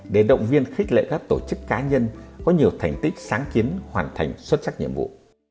để động viên khích lệ các tổ chức cá nhân có nhiều thành tích sáng kiến hoàn thành xuất sắc nhiệm vụ